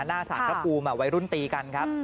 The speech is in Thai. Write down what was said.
หน้าสารพระภูมิวัยรุ่นตีกันครับ